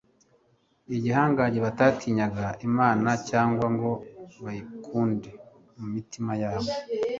cy'igihangage batatinyaga imana cyangwa ngo bayikunde mu mitima yabo